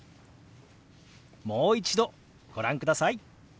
もう一度ご覧ください。